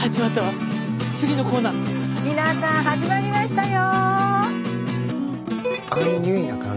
みなさん始まりましたよ。